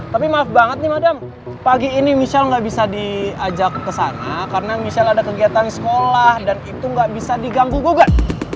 tapi maaf banget nih madam pagi ini michelle nggak bisa diajak ke sana karena misalnya ada kegiatan sekolah dan itu nggak bisa diganggu gugat